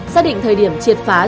xác định thời điểm triệt pháp